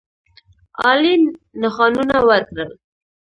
عالي نښانونه ورکړل.